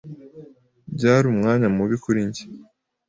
Byari umwanya mubi kuri njye.